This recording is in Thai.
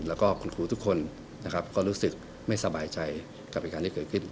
และก็คุณครูทุกคนก็รู้สึกไม่สบายใจกับการที่เกิดขึ้น